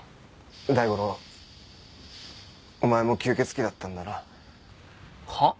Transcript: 大五郎お前も吸血鬼だったんだな。はあ？